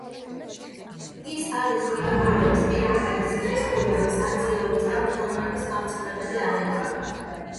ის არის იაგუარების, პრიმატების, წყლის კუების, არწივების და მღრღნელების გავრცელების არეალი.